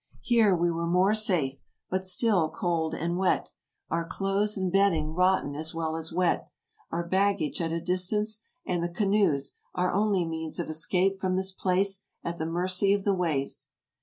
Here we were more safe, but still cold and wet; our clothes AMERICA 157 and bedding rotten as well as wet, our baggage at a dis tance, and the canoes, our only means of escape from this place, at the mercy of the waves.